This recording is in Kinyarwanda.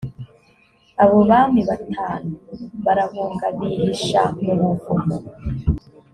abo bami batanu barahunga bihisha mu buvumo